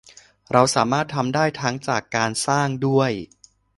เราสามารถทำได้ทั้งจากการสร้างด้วย